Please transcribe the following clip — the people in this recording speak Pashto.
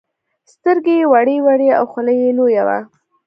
سترگې يې وړې وړې او خوله يې لويه وه.